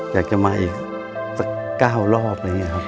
อยากจะมาอีก๑๙รอบ